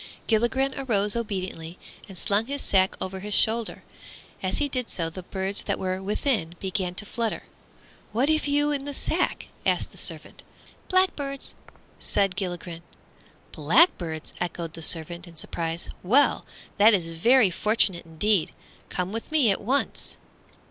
Gilligren arose obediently and slung his sack over his shoulder. As he did so the birds that were within began to flutter. "What have you in the sack?" asked the servant. "Blackbirds," replied Gilligren. "Blackbirds!" echoed the servant, in surprise, "well, that is very fortunate indeed. Come with me at once!"